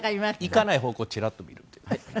行かない方向をチラッと見るっていうね。